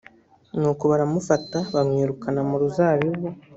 nuko baramufata bamwirukana mu ruzabibu